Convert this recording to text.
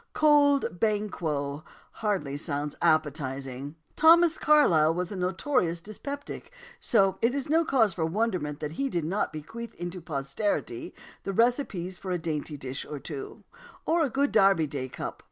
"Cold Banquo" hardly sounds appetising. Thomas Carlyle was a notorious dyspeptic, so it is no cause for wonderment that he did not bequeath to posterity the recipes for a dainty dish or two, or a good Derby Day "Cup."